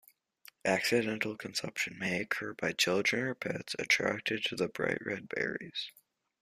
Accidental consumption may occur by children or pets attracted to the bright red berries.